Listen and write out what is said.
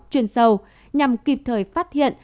chuyên sâu nhằm kịp thời phát hiện